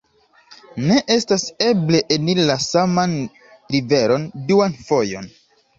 ne estas eble eniri la saman riveron duan fojon.